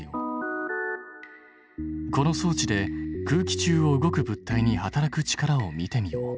この装置で空気中を動く物体に働く力を見てみよう。